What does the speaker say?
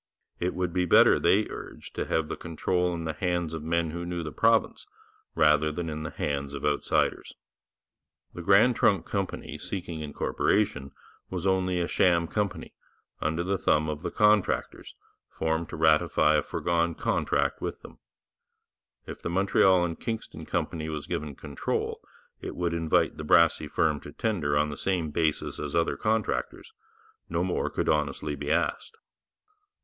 It would be better, they urged, to have the control in the hands of men who knew the province rather than in the hands of outsiders. The Grand Trunk Company, seeking incorporation, was only a sham company, under the thumb of the contractors, formed to ratify a foregone contract with them. If the Montreal and Kingston Company was given control, it would invite the Brassey firm to tender on the same basis as other contractors: no more could honestly be asked.